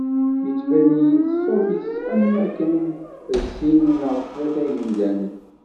Yettban-iyi-d ṣṣut-is am wakkan d sin neɣ tlata n yemdanen.